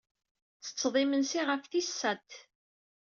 Tettetted imensi ɣef tis sat.